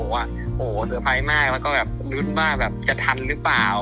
โหเซอร์ไพรส์มากแล้วก็รู้สึกว่าจะทันหรือเปล่า